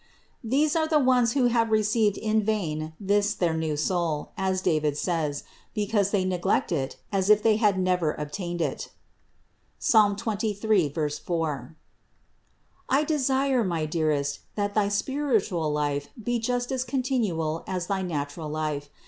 These are the ones who have received in vain this their new soul, as David says, because they neglect it as if they had never obtained it (Psalm 23, 4). 321. I desire, my dearest, that thy spiritual life be just as continual as thy natural life.